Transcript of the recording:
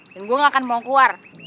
dan gue gak akan mau keluar